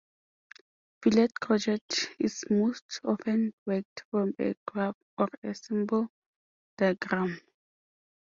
Filet crochet is most often worked from a graph or a symbol diagram.